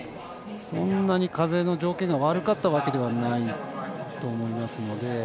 そんなに風の条件が悪かったわけではないと思いますので。